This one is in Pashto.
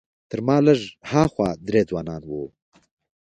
تر ما لږ ها خوا درې ځوانان وو.